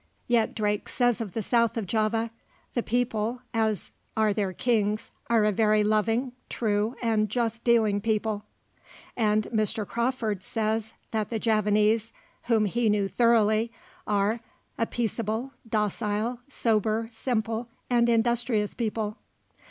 Yet Drake says of the south of Java: "The people (as are their kings) are a very loving, true, and just dealing people;" and Mr. Crawfurd says that the Javanese, whom he knew thoroughly, are "a peaceable, docile, sober, simple, and industrious people."